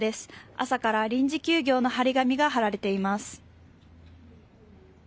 朝から臨時休業の貼り紙が貼られています。